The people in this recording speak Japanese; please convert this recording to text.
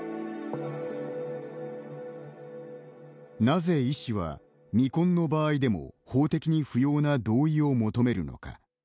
なぜ、医師は未婚の場合でも法的に不要な同意を求めるのか。